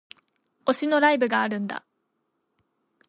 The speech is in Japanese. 推しのライブがあるんだ